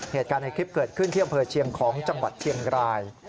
เหตุการณ์ในคลิปเกิดขึ้นที่อำเภอเชียงของจังหวัดเชียงราย